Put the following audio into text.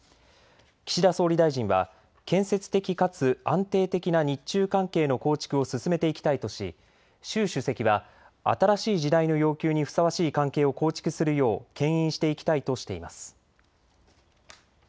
岸田総理大臣は建設的かつ安定的な日中関係の構築を進めていきたいとし習主席は新しい時代の要求にふさわしい関係を構築するようけん引していきたいとしています。